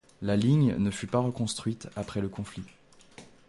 La ligne ne fut pas reconstruite après le conflit.